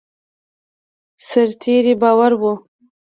سرتېري بار وو.